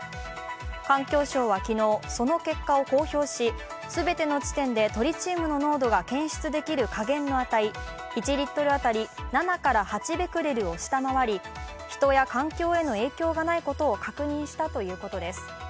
環境省は昨日、その結果を公表し、全ての地点でトリチウムの濃度が検出できる下限の値、１リットル当たり７８ベクレルを下回り、人や環境への影響がないことを確認したということです。